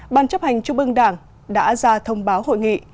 bàn chấp hành chung mương đảng đã ra thông báo hội nghị